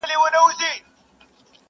چي په مینه دي را بولي د دار سرته,